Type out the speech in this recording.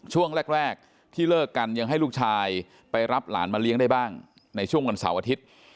ช่วงแรกที่เลิกกันยังให้ลูกชายไปรับหลานมาเลี้ยงได้บ้างในช่วงวันเสาร์อาทิตย์